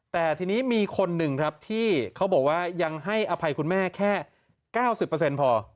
แต่ทีนี้มีคนหนึ่งครับที่เขาบอกว่ายังให้อภัยคุณแม่แค่๙๐พอ